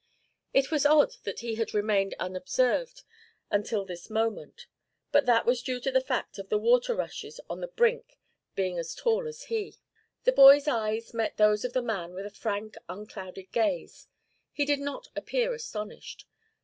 It was odd that he had remained unobserved until this moment, but that was due to the fact of the water rushes on the brink being as tall as he. The boy's eyes met those of the man with a frank, unclouded gaze. He did not appear astonished.